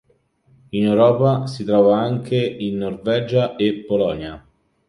In Europa si trova anche in Norvegia e Polonia.